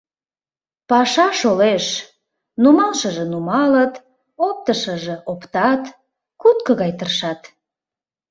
Паша шолеш: нумалшыже нумалыт, оптышыжо оптат, кутко гай тыршат.